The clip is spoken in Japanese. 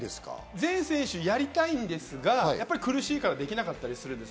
全選手やりたいんですが、苦しいからできなかったりするんです。